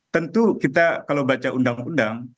tentu kita kalau baca undang undang